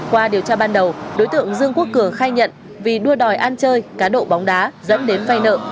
qua điều tra ban đầu đối tượng dương quốc cường khai nhận vì đua đòi ăn chơi cá độ bóng đá dẫn đến vay nợ